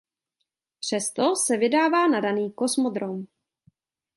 Přesto se vydává na daný kosmodrom.